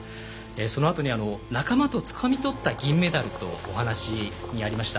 そのあとに仲間とつかみとった銀メダルとお話にありました。